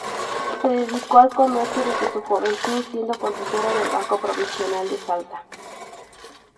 Se dedicó al comercio desde su juventud, siendo consejero del Banco Provincial de Salta.